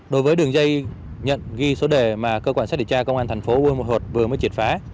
đối với đường dây nhận ghi số đề mà cơ quan xét định tra công an tp bunma thuật vừa mới triệt phá